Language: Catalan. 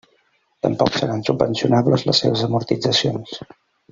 Tampoc seran subvencionables les seves amortitzacions.